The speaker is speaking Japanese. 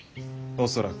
恐らく。